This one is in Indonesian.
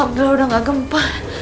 alhamdulillah udah gak gempar